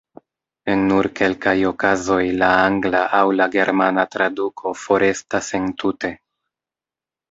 En nur kelkaj okazoj la angla aŭ la germana traduko forestas entute.